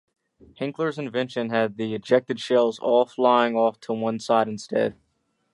Hinkler's invention had the ejected shells all flying off to one side instead.